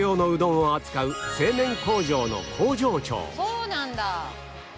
そうなんだ！